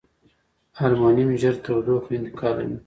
المونیم ژر تودوخه انتقالوي.